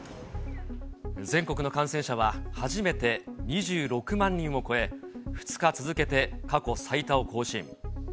全国の感染者は初めて２６万人を超え、２日続けて過去最多を更新。